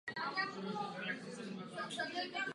Zrovna jsem se vrátila z domova.